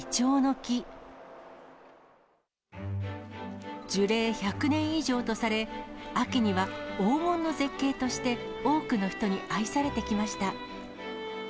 樹齢１００年以上とされ、秋には黄金の絶景として、多くの人に愛されてきました。